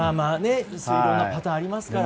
いろんなパターンがありますから。